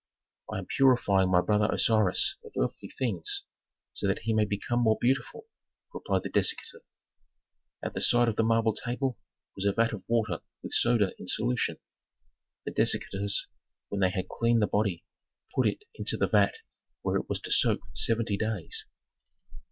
"I am purifying my brother Osiris of earthly things, so that he may become more beautiful," replied the dissector. At the side of the marble table was a vat of water with soda in solution. The dissectors, when they had cleaned the body, put it into the vat where it was to soak seventy days.